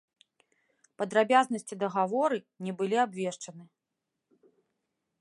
Падрабязнасці дагаворы не былі абвешчаны.